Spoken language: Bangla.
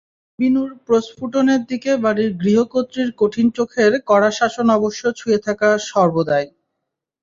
বিনুর প্রস্ফুটনের দিকে বাড়ির গৃহকর্ত্রীর কঠিন চোখের কড়া শাসন অবশ্য ছুঁয়ে থাকে সর্বদাই।